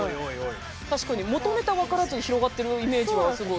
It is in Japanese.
確かに元ネタ分からずに広がってるイメージがすごい。